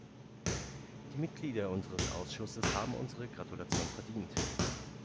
Die Mitglieder unseres Ausschusses haben unsere Gratulation verdient.